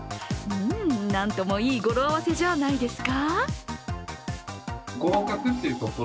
なんともいい語呂合わせじゃないですか。